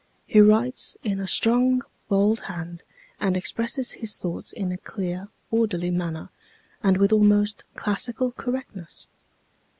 He writes in a strong, bold hand, and expresses his thoughts in a clear, orderly manner, and with almost classical correctness.